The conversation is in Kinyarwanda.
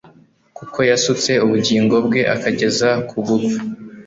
kuko yasutse ubugingo bwe akageza ku gupfa